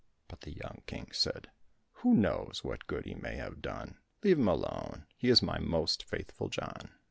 But the young King said, "Who knows what good he may have done, leave him alone, he is my most faithful John."